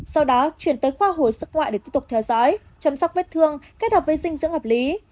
sau đó chuyển tới khoa hồi sức ngoại để tiếp tục theo dõi chăm sóc vết thương kết hợp với dinh dưỡng hợp lý